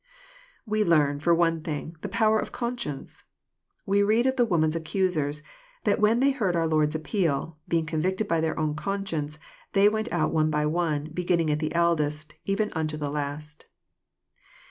We learn, for one thing, the power of conscience. We read of the woman's accusers, that when they heard our Lord's appeal, " being convicted by their own conscience, they went out one by one, beginning at the eldest, even onto the last."